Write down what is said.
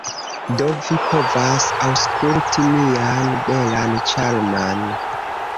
Do vi povas aŭskulti mian belan, ĉarman